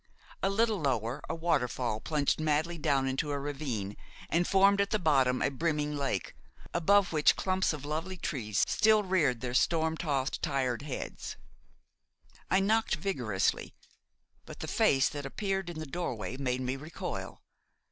A little lower, a waterfall plunged madly down into a ravine and formed at the bottom a brimming lake, above which, clumps of lovely trees still reared their storm tossed, tired heads. I knocked vigorously; but the face that appeared in the doorway made me recoil.